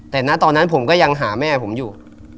แต่ณตอนนั้นผมก็ยังหาแม่ผมอยู่